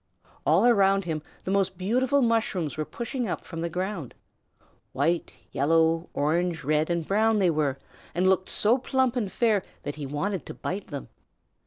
All around him the most beautiful mushrooms were pushing up from the ground. White, yellow, orange, red, and brown they were, and looked so plump and fair that he wanted to bite them.